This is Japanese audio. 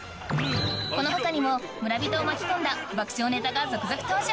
この他にも村人を巻き込んだ爆笑ネタが続々登場！